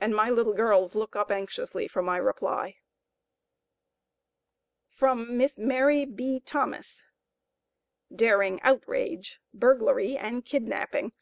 and my little girls look up anxiously for my reply. From Miss MARY B. THOMAS. Daring outrage! burglary and kidnapping!